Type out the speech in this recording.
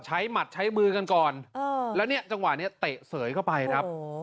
หมัดใช้มือกันก่อนแล้วเนี่ยจังหวะนี้เตะเสยเข้าไปครับ